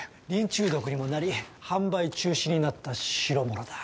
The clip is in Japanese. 中毒にもなり販売中止になった代物だ。